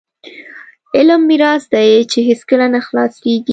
علم میراث دی چې هیڅکله نه خلاصیږي.